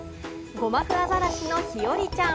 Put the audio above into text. ゴマフアザラシの日和ちゃん。